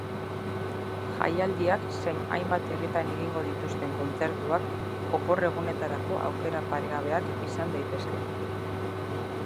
Jaialdiak zein hainbat herritan egingo dituzten kontzertuak opor-egunetarako aukera paregabeak izan daitezke.